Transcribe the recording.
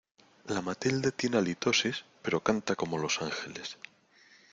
La Matilde tiene halitosis, pero canta como los ángeles.